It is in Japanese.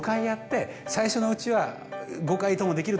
最初のうちは。